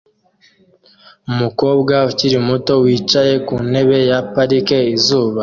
umukobwa ukiri muto wicaye ku ntebe ya parike izuba